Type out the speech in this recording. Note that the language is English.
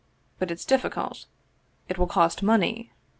But it's difficult. It will cost money."